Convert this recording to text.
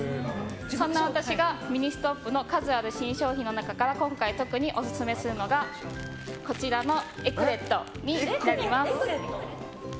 そんな私が、ミニストップの数ある新商品の中から今回、特にオススメするのがエクレットになります。